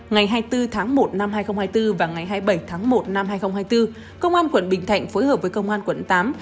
ngày hai mươi bốn tháng một năm hai nghìn hai mươi bốn và ngày hai mươi bảy tháng một năm hai nghìn hai mươi bốn công an tp hcm phối hợp với công an tp hcm